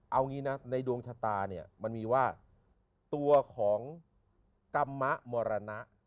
เอางี้นะในดวงชะตาเนี่ยมันมีว่าตัวของกรรมมรณะ